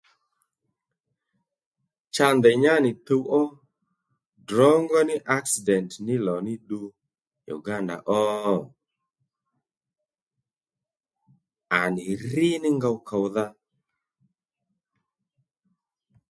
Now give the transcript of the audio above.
Cha ndèy nyánì tuw ó drǒngó ní aksident mí lò ní ddu Uganda ó? À nì rí ní ngow kòwdha